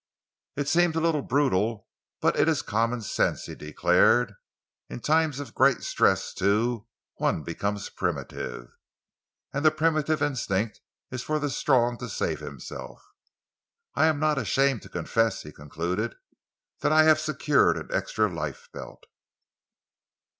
"It seems a little brutal but it is common sense," he declared. "In times of great stress, too, one becomes primitive, and the primitive instinct is for the strong to save himself. I am not ashamed to confess," he concluded, "that I have secured an extra lifebelt."